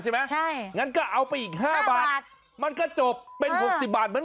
ใช่ไหมใช่งั้นก็เอาไปอีก๕บาทมันก็จบเป็น๖๐บาทเหมือน